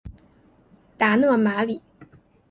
达讷马里。